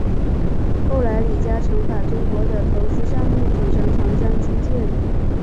后来李嘉诚把中国的投资项目组成长江基建。